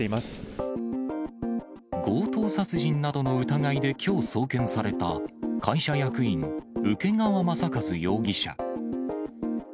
強盗殺人などの疑いできょう送検された、会社役員、請川正和容疑者。